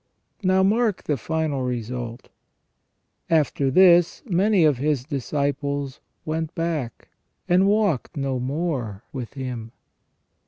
Now mark the final result :" After this many of His disciples went back, and walked no more with Him